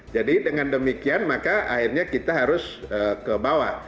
jadi dengan demikian maka akhirnya kita harus ke bawah